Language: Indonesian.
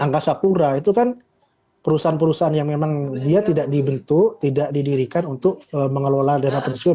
angkasa pura itu kan perusahaan perusahaan yang memang dia tidak dibentuk tidak didirikan untuk mengelola dana pensiun